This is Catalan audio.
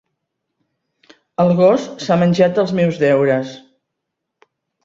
El gos s'ha menjat els meus deures.